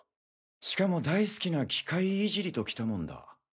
しかも大好きな機械いじりときたもんだ。